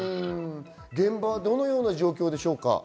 現場はどのような状況ですか？